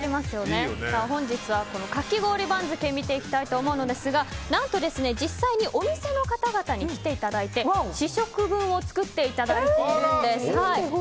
本日は、かき氷番付を見ていきたいと思うのですが何と実際にお店の方々に来ていただいて試食分を作っていただいています。